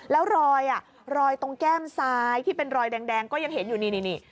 แล้วรอยรอยตรงแก้มซ้ายที่เป็นรอยแดงก็ยังเห็นอยู่นี่